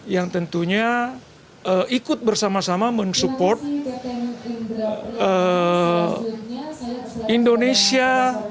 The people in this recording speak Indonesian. yang tentunya ikut bersama sama mensupport indonesia